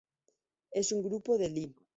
Es un grupo de Lie.